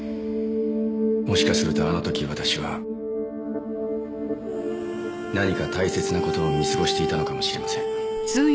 もしかするとあの時私は何か大切な事を見過ごしていたのかもしれません。